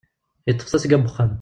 Yeṭṭef tasga n uxxam.